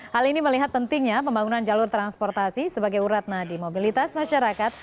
hal ini melihat pentingnya pembangunan jalur transportasi sebagai urat nadi mobilitas masyarakat